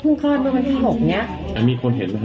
คุณยายก็เครียดสงสารกลัวเด็กจะ